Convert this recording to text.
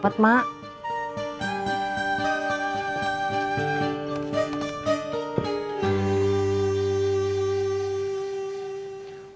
morot juga asli mukanya